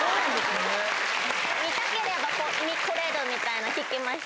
見たければ来れるみたいな、聞きました。